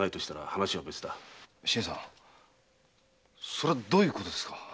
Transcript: それはどういうことです？